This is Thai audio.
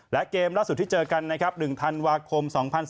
และเกมล่าสุดที่เจอกันนะครับ๑ธันวาคม๒๐๑๘